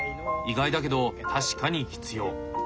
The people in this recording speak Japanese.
意外だけど確かに必要。